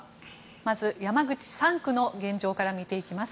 まず、山口３区の現状から見ていきます。